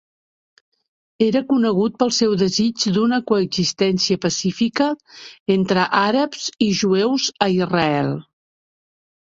Era conegut pel seu desig d'una coexistència pacífica entre àrabs i jueus a Israel.